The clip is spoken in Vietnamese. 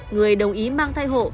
người đồng ý mang thai hộ